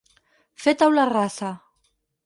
Fer taula rasa.